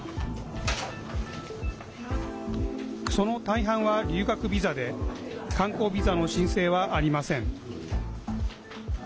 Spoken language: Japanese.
その大半は留学ビザで観光ビザの申請はありません。